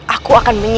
aku akan mencari